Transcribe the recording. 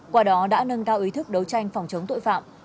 qua đó đã nâng cao ý thức đấu tranh phòng chống tội phạm